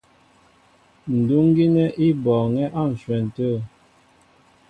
Ndúŋ gínɛ́ í bɔɔŋɛ́ á ǹshwɛn tê.